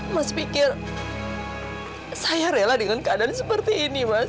mas pikir saya rela dengan keadaan seperti ini mas